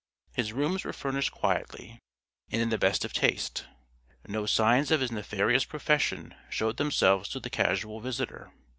His rooms were furnished quietly and in the best of taste. No signs of his nefarious profession showed themselves to the casual visitor.